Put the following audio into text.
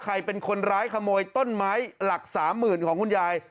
ใครเป็นคนร้ายขโมยต้นไม้หลักสามหมื่นของคุณยาย